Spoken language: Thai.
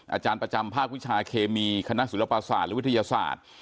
อาจารย์ประจำภาควิชาเคมีคณะศิลปศาสตร์และวิทยาศาสตร์